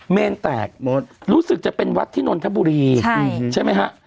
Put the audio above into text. เมนแตกมดรู้สึกจะเป็นวัดที่นนทบุรีใช่ไหมฮะ